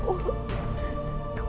kamu telah meninggalkan aku